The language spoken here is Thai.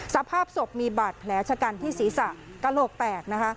สภาพศพมีบาดแผลชะกันที่ศีรษะกระโหลกแตกนะคะ